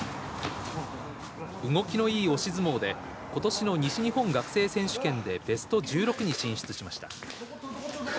動きのいい押し相撲で今年の西日本学生選手権でベスト１６に進出しました。